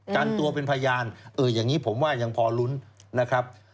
กันตัวเป็นพยานเอออย่างนี้ผมว่ายังพอลุ้นนะครับ